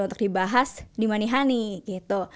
untuk dibahas di manihani gitu